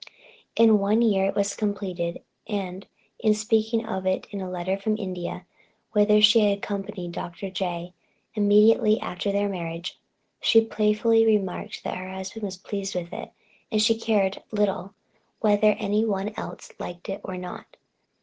In one year it was completed, and in speaking of it in a letter from India, whither she had accompanied Dr. J. immediately after their marriage, she playfully remarked that her husband was pleased with it, and she cared little whether any one else liked it or not.